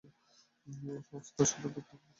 এই সংস্থার সদর দপ্তর ফিলিস্তিনের জেরুসালেমে অবস্থিত।